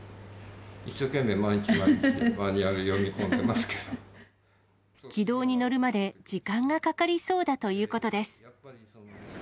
一生懸命毎日毎日、軌道に乗るまで時間がかかりそうだということです。